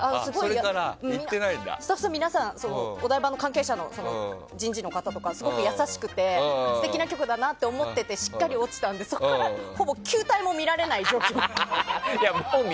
スタッフさん皆さんお台場の関係者の人事の方とかすごく優しくて素敵な方だなと思ってたのにしっかり落ちたのでそれから球体も見られない状況。